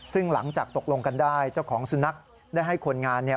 ซึ่งหลังจากตกลงกันได้เจ้าของสุนัขได้ให้คนงานเนี่ย